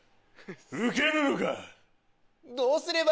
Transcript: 受けぬのか？